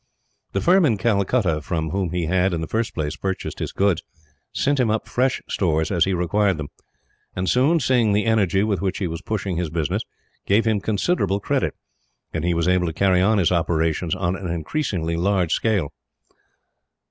The firm in Calcutta from whom he had, in the first place, purchased his goods, sent him up fresh stores as he required them; and soon, seeing the energy with which he was pushing his business, gave him considerable credit, and he was able to carry on his operations on an increasingly larger scale.